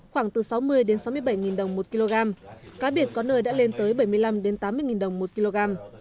khoảng từ sáu mươi sáu mươi bảy đồng một kg cá biệt có nơi đã lên tới bảy mươi năm tám mươi đồng một kg